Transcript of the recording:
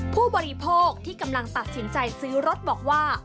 ผู้บริโภคที่กำลังตัดสินใจซื้อรถบอกว่า